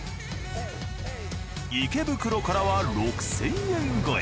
池袋からは６，０００円超え。